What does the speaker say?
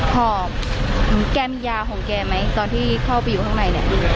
หอบแกมียาของแกไหมตอนที่พ่อไปอยู่ข้างใน